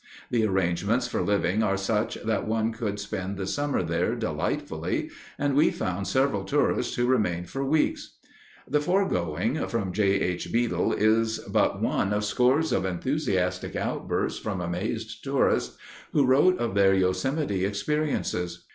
The arrangements for living are such that one could spend the summer there delightfully, and we found several tourists who remained for weeks. The foregoing from J. H. Beadle is but one of scores of enthusiastic outbursts from amazed tourists who wrote of their Yosemite experiences.